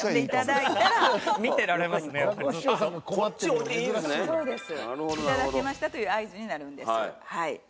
いただきましたという合図になるんですはい。